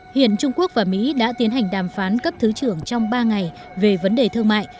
hiện trung quốc và mỹ đã tiến hành đàm phán cấp thứ trưởng trong ba ngày về vấn đề thương mại